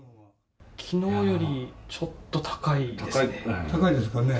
きのうよりちょっと高いですね。